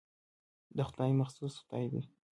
دغه خدای مخصوص خدای دی.